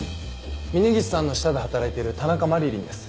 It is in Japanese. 峰岸さんの下で働いてる田中麻理鈴です。